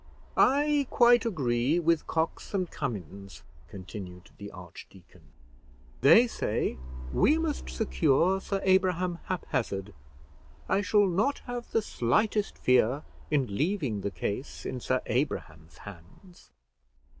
"I quite agree with Cox and Cummins," continued the archdeacon. "They say we must secure Sir Abraham Haphazard. I shall not have the slightest fear in leaving the case in Sir Abraham's hands."